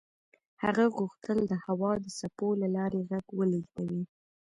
هغه غوښتل د هوا د څپو له لارې غږ ولېږدوي.